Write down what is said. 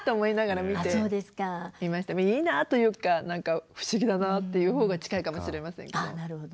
いいなというか何か不思議だなっていう方が近いかもしれませんけど。